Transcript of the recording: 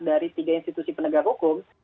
dari tiga institusi penegak hukum